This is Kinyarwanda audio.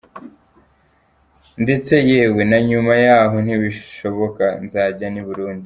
Ndetse yewe na nyuma yahoo nibishoboka nzajya ni Burundi.